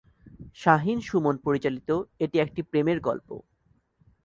শাহিন-সুমন পরিচালিত এটি একটি প্রেমের গল্প।